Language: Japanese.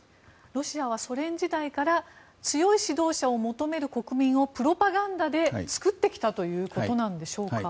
ロシアはソ連時代から強い指導者を求める国民をプロパガンダで作ってきたということなんでしょうか？